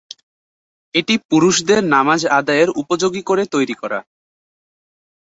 এটি পুরুষদের নামাজ আদায়ের উপযোগী করে তৈরি করা।